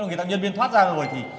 nhân viên thoát ra là